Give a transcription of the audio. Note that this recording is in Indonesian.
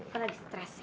kau lagi stres ya